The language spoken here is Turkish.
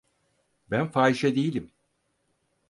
Ben fahişe değilim.